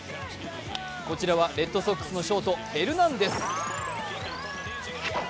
こちらはレッドソックスのショート、ヘルナンデス。